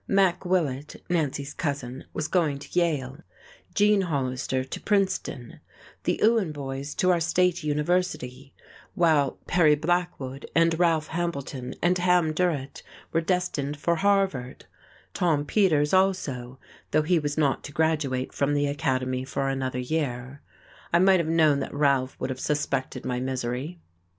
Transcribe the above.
Mac Willett, Nancy's cousin, was going to Yale, Gene Hollister to Princeton, the Ewan boys to our State University, while Perry Blackwood and Ralph Hambleton and Ham Durrett were destined for Harvard; Tom Peters, also, though he was not to graduate from the Academy for another year. I might have known that Ralph would have suspected my misery.